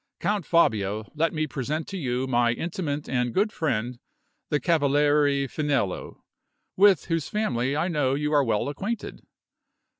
Count Fabio, let me present to you my intimate and good friend, the Cavaliere Finello, with whose family I know you are well acquainted.